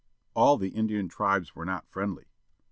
All the Indian tribes were not friendly.